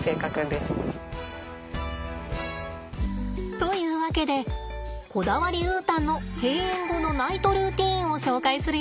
というわけでこだわりウータンの閉園後のナイトルーティンを紹介するよ。